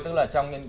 tức là trong